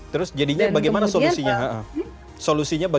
terus jadinya bagaimana solusinya